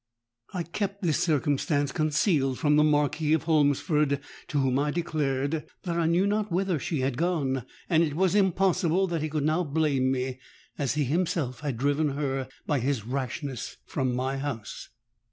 I kept this circumstance concealed from the Marquis of Holmesford, to whom I declared that I knew not whither she was gone; and it was impossible that he could now blame me, as he himself had driven her by his rashness from my house.